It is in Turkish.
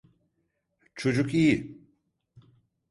Çocuk iyi.